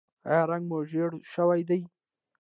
ایا رنګ مو ژیړ شوی دی؟